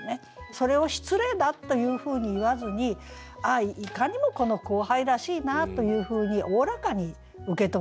それを失礼だというふうに言わずにああいかにもこの後輩らしいなというふうにおおらかに受け止めている。